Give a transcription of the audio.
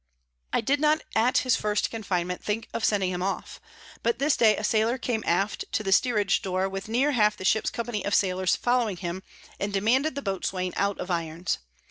I did not at his first Confinement think of sending him off; but this day a Sailor came aft to the Steeridg Door, with near half the Ship's Company of Sailors following him, and demanded the Boatswain out of Irons.